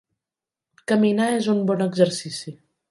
Caminar és un bon exercici.